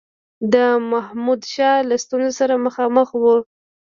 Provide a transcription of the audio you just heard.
د محمودشاه له ستونزي سره مخامخ وو.